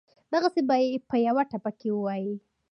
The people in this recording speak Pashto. دغسې پۀ يوه ټپه کښې وائي: